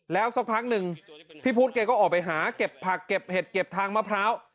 แล้วสักพักหนึ่งพี่พุทธแกก็ออกไปหาเก็บผักเก็บเห็ดเก็บทางมะพร้าว